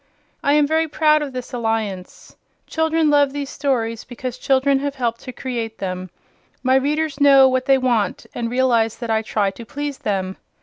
I am very proud of this alliance. Children love these stories because children have helped to create them. My readers know what they want and realize that I try to please them.